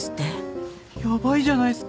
ヤバいじゃないっすか。